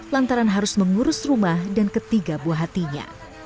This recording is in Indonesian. lantaran harus mengurus rumah dan ketiga buah hatinya